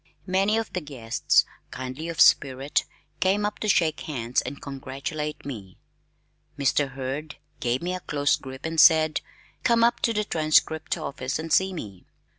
Many of the guests (kindly of spirit) came up to shake hands and congratulate me. Mr. Hurd gave me a close grip and said, "Come up to the Transcript office and see me."